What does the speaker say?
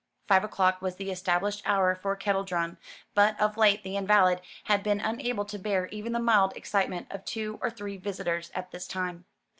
Five o'clock was the established hour for kettledrum, but of late the invalid had been unable to bear even the mild excitement of two or three visitors at this time.